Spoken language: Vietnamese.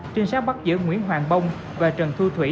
trên xác bắt giữ nguyễn hoàng bông và trần thu thủy